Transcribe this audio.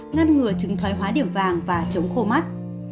ngăn ngừa chứng thoái hóa điểm vàng và chống khô mắt